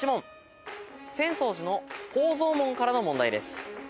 浅草寺の宝蔵門からの問題です。